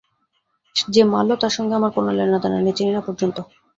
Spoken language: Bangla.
যে মারল তার সঙ্গে আমার কোনো লেনাদেনা নেই, চিনি না পর্যন্ত।